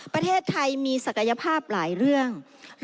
ประเทศไทยมีศักยภาพหลายเรื่อง